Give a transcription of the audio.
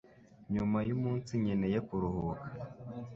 Nyuma yumunsi nkeneye kuruhuka